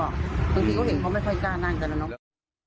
บางทีเขาเห็นเขาไม่ค่อยกล้านั่งกันแล้วเนาะ